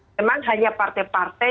memang hanya partai partai